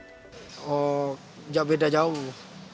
tidak beda jauh